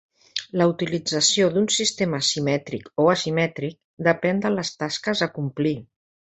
La utilització d'un sistema simètric o asimètric depèn de les tasques a complir.